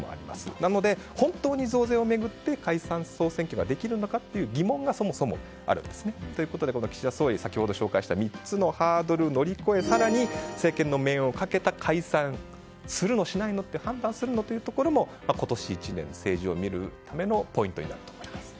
なので、本当に増税を巡って解散・総選挙ができるのかという疑問がそもそもあるんですね。ということで岸田総理、先ほど紹介した３つのハードルを乗り越え更に政権の命運をかけた解散をするの？しないの？という判断をするというところも今年１年政治を見るうえでのポイントになると思います。